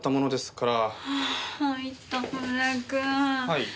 はい。